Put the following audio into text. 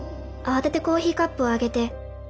慌ててコーヒーカップを上げて。